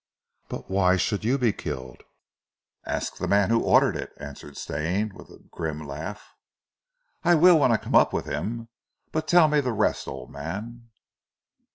"But why should you be killed?" "Ask the man who ordered it," answered Stane with a grim laugh. "I will when I come up with him. But tell me the rest, old man."